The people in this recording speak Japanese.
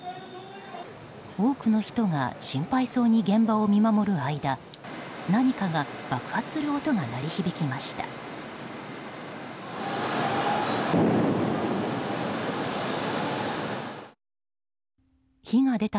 多くの人が心配そうに現場を見守る間何かが爆発する音が鳴り響きました。